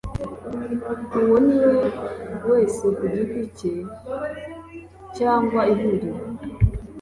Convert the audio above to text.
uwo ariwe wese ku giti cye cyangwa ihuriro